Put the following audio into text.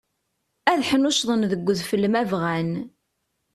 Ad ḥnuccḍen deg udfel ma bɣan.